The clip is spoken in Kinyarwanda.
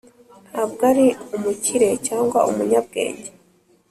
ntabwo ari umukire cyangwa umunyabwenge,